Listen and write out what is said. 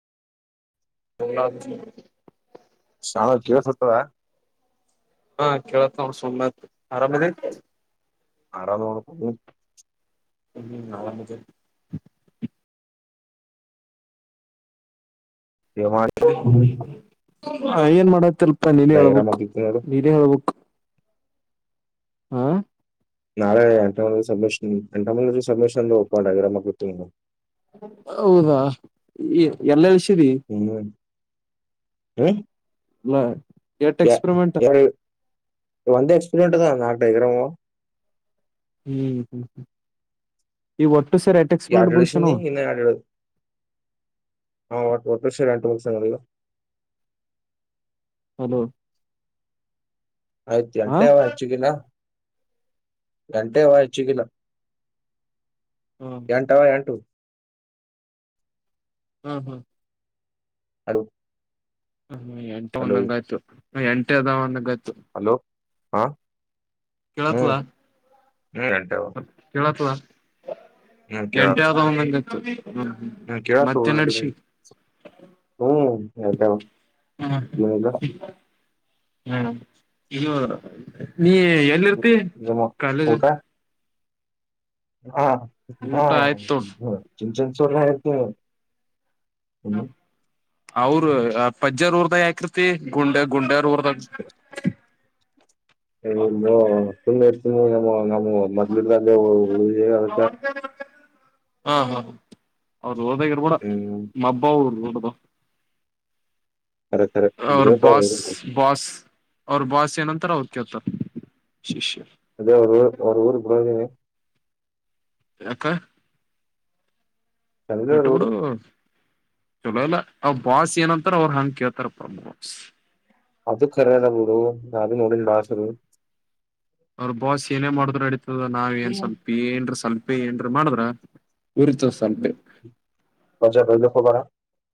ಹನಾ ಶಾವ ಕೇಳತ್ತದ ಹಾ ಕೇಳತ್ ನೋಡು ಸುಮ್ಮತ್ ಆರಾಮದಿ ಆರಾಮ್ ನೋಡು ಕು ಹ ನ ಮುೆ ಮಾಡಿ ಹ ಏನ್ ಮಾಡತಿಲ್ಪ ನೀಲಿ ಡೈಗ್ರಾಮ್ ಹೇಳ್ಬೇಕುಕ್ ಹಾಕಿರ್ತೀನಿ ನೋಡು ನೀಲಿೇ ಹೇಳ್ಬುಕ್ ಆಾ ನಾಳೆ ಎಂಟಂದ ಸ್ಮಿಷನ್ ಎಂಟಮಂದ ಸ್ಮಿಷನ್ ಓಪೊಂಡ್ ಆಗಿರ ಮಕ್ಕಳ ತಿ ಹೌದಾ ಎಲ್ಲಳ್ಸರಿ ಹ್ಮೂ ಹಾ ನ ಯ ಯಾರ ಒಂದ ಎಕ್ಸ್ಪೀರಿಂಟ್ ನಾಕಗ್ರ ಹ್ಮ್ ಹ್ಮ್ ಹ್ಮ ಈ ಒಟ್ಟು ಸರಿ ಈ ಆಠಳಸ ನೀ ನ ಆಠಳ ಹಾಟ ಶ ರಂಟವ ಸಲ್ಲ ಹಲೋ ಆಯ್ತ್ ಹ ಎಂಟೆವ ಎಚ್ಚುಗಿನ ಎಂಟೆವ ಎಚ್ಚುಗಿನ ಹಾಂ ಎಂಟವ ಎಂಟು ಹಾ ಹಾ ಅಲೋ ಹ ಎಂಟು ಅಂದಂಗಾಯ್ತು ಎಂಟೆ ಅದವ್ ಅಂದ್ ಬೇ ತು ಹಲೋ ಹಾ ಹ್ಞ ಹ್ಞೂ ಎಂಟೇವ ಕೇಳತ್ವಾ ಎಂಟೆ ಆದಾವು ಅಂದಂಗತ್ತು ಹಾ ಕೇಳಾಕ್ ಹೋಗದಿಲ್ರಿ ಭೈ ಹ್ಮ್ ಕೇಳ್ತೆವ್--ಗ ಹಾ ಇದು ನೀ ಎಲ್ಲಿ ಇರ್ತಿ ಏನೋ ಊಟ ಕಾಲೇಜತ್ರ್ ಹಾ ಹ ಊಟ ಆಯ್ತು ಹ ಚಿಂಚನ್ಚಡ್ರ ಎದ್ದು ಅವ್ರು ರ ಪಜ್ಜರೂರ್ದ ಯಾಕಿರ್ತಿ ಗುಂಡೆ ಗುಂಡ್ಯಾರೂರ್ದಾಗ್ ಇವ್ರಿಬ್ರು ಸುಮ್ನೆ ಇರು ಸುಮ್ನೆ ನಮ್ಮ ನ ಮೊದ್ಲಿಡ್ದಗೆ ಉಳ್ದಿವೀ ಅದ್ಕ ಹಾ ಹಾ ಅವ್ರ್ ಹೋದಾಗಿರ್ಬೇಡ ಹ್ಮ್ ಮಬ್ಬ ಅವ್ರು ಡ್ದ ಖರೆ ಖರೆ ಅವ್ರ್ ಇರ್ಬೇಕು ಅವ್ರ ಬಾಸ್ ಇರ್ಬೇಕು. ಬಾಸ್ ಅವ್ರ ಬಾಸ್ ಏನಂತರ ಅವ್ರ್ ಕೇಳ್ತಾರ ಶಿಷ್ಯ ಅದೇ ಅವ್ರ ಅವ್ರುರಿಗ್ ಬರವದಿನಿ ಏಕೆ ಚಂದ್ರ ಬಿಟ್ಟ ಅವ್ರ ಊರು ಬಿಡು ಚಲೋ ಎಲ್ಲ ಅವ ಬಾಸ್ ಏನಂತಾರ ಅವ್ರು ಹಂಗ ಕೇಳ್ತಾರ ಪ್ರ್ರ್ಮ ಬಾಸ್ ಅದು ಕರ ಅದ ಬಿಡು ಅದು ನೋಡನ್ ಬಾಸರು ಅವ್ರ ಬಾಸ್ ಏನೇ ಮಾಡ್ ಅಡಿತತದ ನಾವ ಏನ್ ಸ್ವಲ್ಪ ಏನ್ ಸ್ವಲ್ಪೆ ಏನ್ ಮಾಡಿದ್ರ ಉರಿತ ಸ್ವಲ್ಪೆ ಪರಜ [unintelligible]